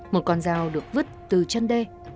một con dao được vứt từ chân đê